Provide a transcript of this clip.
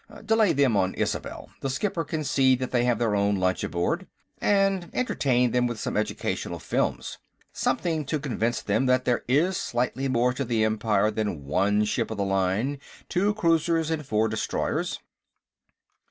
Delay them on Isobel; the skipper can see that they have their own lunch aboard. And entertain them with some educational films. Something to convince them that there is slightly more to the Empire than one ship of the line, two cruisers and four destroyers."